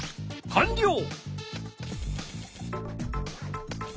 かんりょう！